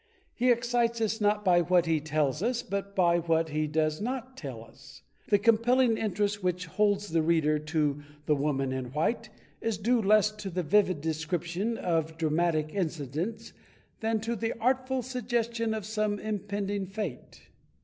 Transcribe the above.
He excites us not by what he tells us but what he does not tell us. The compelling interest which holds the reader of "The Woman In White" is due less to the vivid description of dramatic incidents than to the artful suggestion of some impending fate.